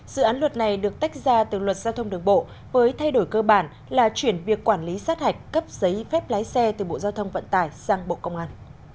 dự án luật này được tách ra từ luật giao thông đường bộ với thay đổi cơ bản là chuyển việc quản lý sát hạch cấp giấy phép lái xe từ bộ giao thông vận tải sang bộ công an